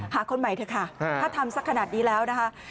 คนใหม่เถอะค่ะถ้าทำสักขนาดนี้แล้วนะคะ